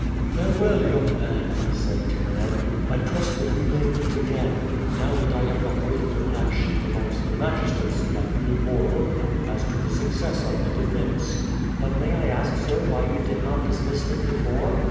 "Farewell, young man," he said to Ned; "I trust that we may meet again. Now that I have got rid of the black sheep among the magistracy I feel more hopeful as to the success of the defence." "But may I ask, sir, why you did not dismiss them before?"